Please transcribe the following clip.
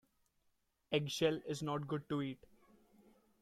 Eggshell is not good to eat.